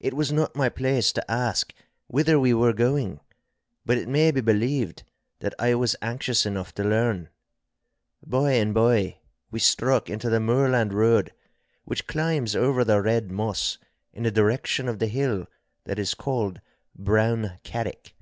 It was not my place to ask whither we were going, but it may be believed that I was anxious enough to learn. By and by we struck into the moorland road which climbs over the Red Moss in the direction of the hill that is called Brown Carrick.